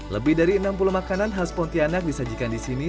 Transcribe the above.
lebih dari enam puluh makanan khas pontianak disajikan di sini